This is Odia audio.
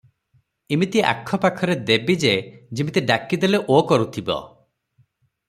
ଇମିତି ଆଖପାଖରେ ଦେବି ଯେ ଯିମିତି ଡାକିଦେଲେ 'ଓ' କରୁଥିବ ।